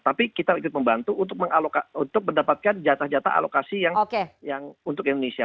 tapi kita ikut membantu untuk mendapatkan jatah jatah alokasi yang untuk indonesia